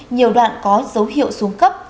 nhiều đoạn có dấu hiệu xuống cấp